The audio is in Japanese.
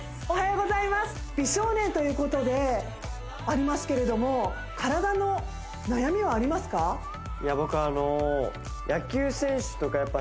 おはようございます美少年ということでありますけれども体の悩みはありますか？